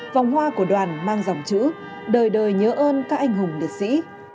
vòng hoa của đoàn mang dòng chữ đời đời nhớ ơn các anh hùng liệt sĩ